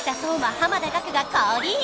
濱田岳が降臨！